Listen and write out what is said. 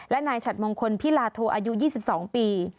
และนายฉัดมงคลพิลาโทอายุ๒๒ปี